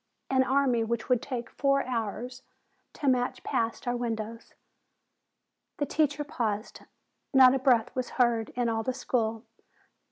An army which would take four hours to march past our windows." The teacher paused. Not a breath was heard in all the school.